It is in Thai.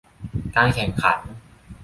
การแข่งขัน